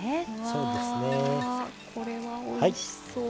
うわこれはおいしそう。